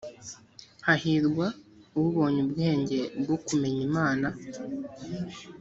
hahirwa ubonye ubwenge bwo kumenya imana